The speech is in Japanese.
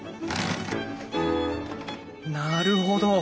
なるほど。